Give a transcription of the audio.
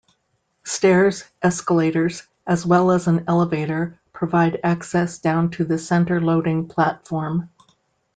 Stairs, escalators, as well as an elevator provide access down to the center-loading platform.